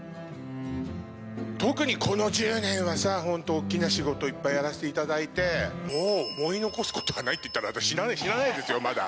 特にこの１０年はさ、本当、大きな仕事いっぱいやらせていただいて、もう、思い残すことはないって言ったら、私、死なないですよ、まだ。